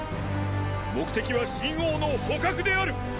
目的は秦王の捕獲である！